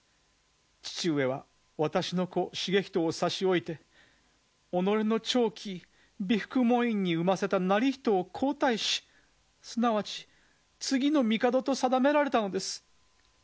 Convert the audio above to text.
父上は私の子重仁を差し置いて己の寵姫美福門院に産ませた体仁を皇太子すなわち次の帝と定められたのです。